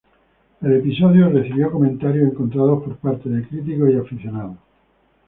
El episodio recibió comentarios encontrados por parte de críticos y aficionados.